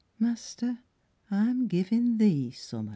Master, I'm givin' thee summat.